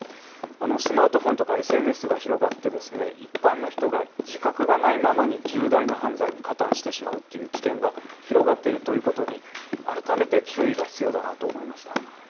スマートフォンとかＳＮＳが広がって一般の人が自覚がないまま重大な犯罪に加担してしまうという危険が広がっているということに改めて注意が必要だなと思いました。